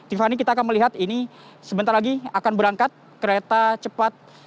tiffany kita akan melihat ini sebentar lagi akan berangkat kereta cepat